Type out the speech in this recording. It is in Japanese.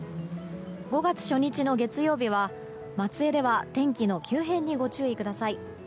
５月初日の月曜日は松江では天気の急変にご注意ください。